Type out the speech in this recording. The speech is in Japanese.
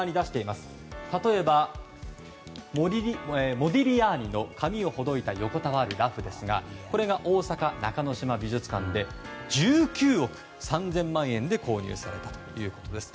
例えば、モディリアーニの「髪をほどいた横たわる裸婦」は大阪中之島美術館で１９億３０００万円で購入されたということです。